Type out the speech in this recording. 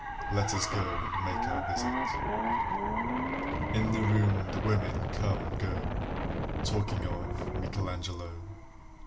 Let us go and make our visit. In the room the women come and go Talking of Michelangelo.